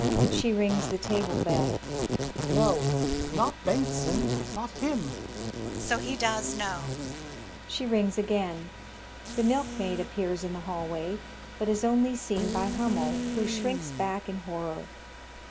[She rings the table bell. Hummel. No ! Not Bengtsson ! Not him ! MuMMT. So he does know ? [She rings again. The Milkmaid appears in the haUtoay, but is only seen by Hummel, who shrinks back in horror.